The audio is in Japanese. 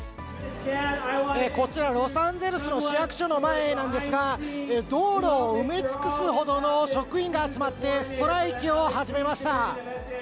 こちら、ロサンゼルスの市役所の前なんですが、道路を埋め尽くすほどの職員が集まって、ストライキを始めました。